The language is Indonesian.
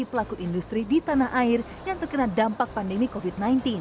pelaku industri di tanah air yang terkena dampak pandemi covid sembilan belas